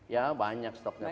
ya banyak stoknya pks